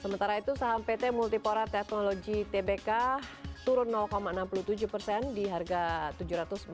sementara itu saham pt multipolar technology tbk turun enam puluh tujuh persen di harga rp tujuh ratus empat puluh lima per saham